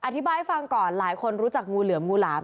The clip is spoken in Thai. อธิบายให้ฟังก่อนหลายคนรู้จักงูเหลือมงูหลาม